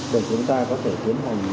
để chúng ta có thể tiến hành ghi